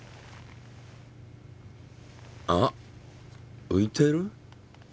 あっういてる？